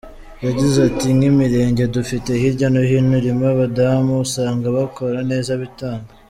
Yagize ati “Nk’imirenge dufite hirya no hino irimo abadamu usanga bakora neza, bitanga.